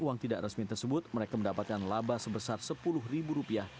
uang tidak resmi tersebut mereka mendapatkan laba sebesar sepuluh ribu rupiah